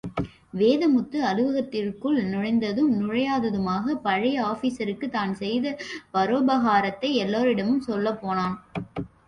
வேதமுத்து, அலுவலகத்திற்குள் நுழைந்ததும் நுழையாததுமாக பழைய ஆபீஸருக்கு தான் செய்த பரோபகாரத்தை எல்லோரிடமும் சொல்லப்போனான்.